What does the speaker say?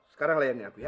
sekarang layanin aku ya